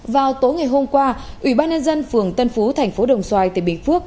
vào tối ngày hôm qua ủy ban nhân dân phường tân phú thành phố đồng xoài tỉnh bình phước